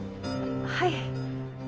はい。